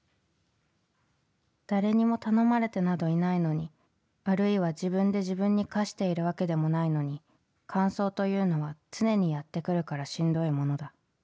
誰にも頼まれてなどいないのにあるいは自分で自分に課しているわけでもないのに乾燥というのは常にやってくるからしんどいものだ。